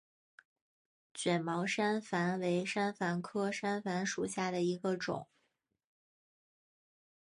卷毛山矾为山矾科山矾属下的一个种。